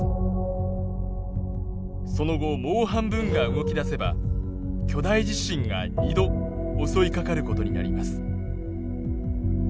その後もう半分が動き出せば巨大地震が２度襲いかかることになります。